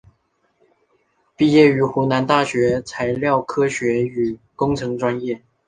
毕业于湖南大学材料科学与工程专业。